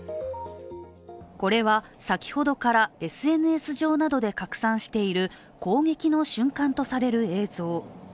これは、先ほどからＳＮＳ上などで拡散している攻撃の瞬間とされる映像。